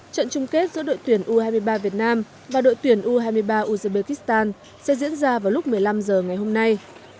trận chung kết giữa đội tuyển u hai mươi ba việt nam và đội tuyển u hai mươi ba uzbekistan sẽ diễn ra vào lúc một mươi năm h ngày hôm nay